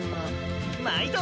毎度。